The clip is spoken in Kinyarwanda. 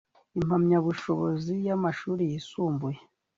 impamyabushobozi y amashuri yisumbuye